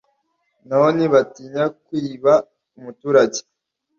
naho ntibatinya kwiba umuturage